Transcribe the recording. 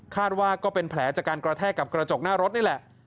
ว่าก็เป็นแผลจากการกระแทกกับกระจกหน้ารถนี่แหละ